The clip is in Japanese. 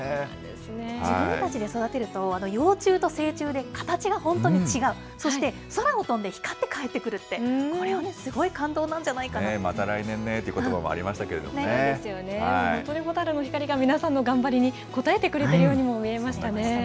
自分たちで育てると、幼虫と成虫で形が本当に違う、そして空を飛んで光って帰ってくるって、これはね、すごい感動なんじゃなまた来年ねということばもあ本当にホタルの光が皆さんの頑張りに応えてくれてるようにも見えましたね。